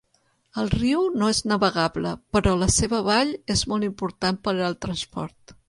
El riu no és navegable, però la seva vall és molt important per al transport.